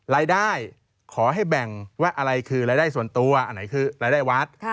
รายได้ขอให้แบ่งว่าอะไรคือรายได้ส่วนตัวอันไหนคือรายได้วัด